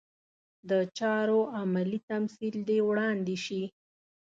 د چارو عملي تمثیل دې وړاندې شي.